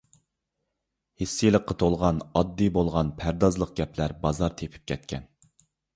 ھىسسىيلىققا تولغان ئاددىي بولغان پەردازلىق گەپلەر بازار تېپىپ كەتكەن.